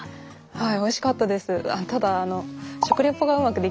はい。